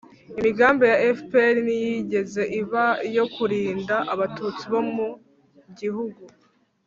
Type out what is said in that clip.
imigambi ya fpr ntiyigeze iba iyo kurinda abatutsi bo mu gihugu